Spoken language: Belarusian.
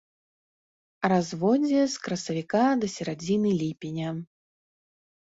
Разводдзе з красавіка да сярэдзіны ліпеня.